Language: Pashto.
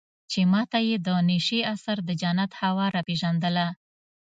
چې ما ته يې د نشې اثر د جنت هوا راپېژندله.